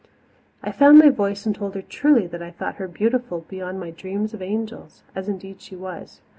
I found my voice and told her truly that I thought her beautiful beyond my dreams of angels as indeed she was.